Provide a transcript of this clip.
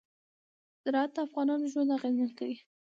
زراعت د افغانانو ژوند اغېزمن کوي.